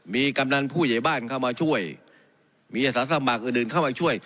มีกำนันผู้ใหญ่บ้านเข้ามาช่วยมีอาสาสมัครอื่นอื่นเข้ามาช่วย